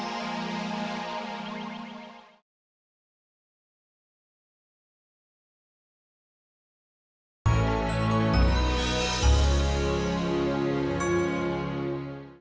tuhan yang terbaik